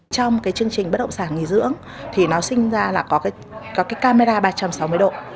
trong cái chương trình bất động sản nghỉ dưỡng thì nó sinh ra là có cái camera ba trăm sáu mươi độ